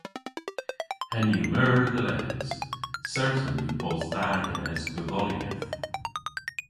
Henn yw meur dhe les! Certan yw bos da genes godhonieth.